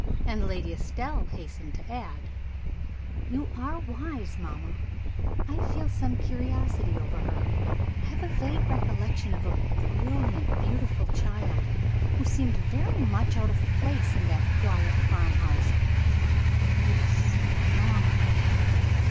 And Lady Estelle hastened to add: "You are wise, mamma. I feel some curiosity over her. I have a vague recollection of a brilliant, beautiful child, who seemed very much out of place in that quiet farm house. But it is so long ago."